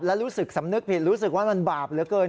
และรู้สึกสำนึกผิดรู้สึกว่ามันบาปเหลือเกิน